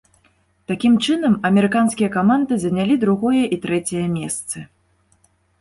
Такім чынам, амерыканскія каманды занялі другое і трэцяе месцы.